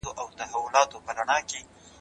لار یې واخیسته د غره او د لاښونو